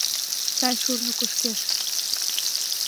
— Сай шурно кушкеш.